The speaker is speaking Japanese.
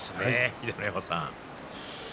秀ノ山さん。